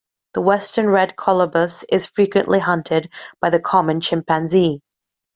The western red colobus is frequently hunted by the common chimpanzee.